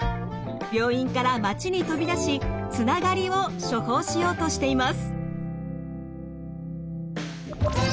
病院から町に飛び出しつながりを「処方」しようとしています。